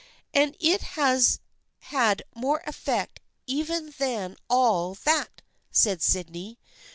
"And it has had more effect even than all that," said Sydney.